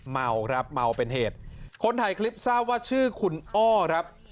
เมาครับเมาเป็นเหตุคนถ่ายคลิปทราบว่าชื่อคุณอ้อครับ